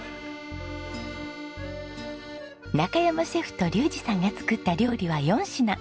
中山シェフと竜士さんが作った料理は４品。